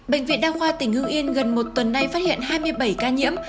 bệnh viện đa khoa tỉnh hưng yên gần một tuần nay phát hiện hai mươi bảy ca nhiễm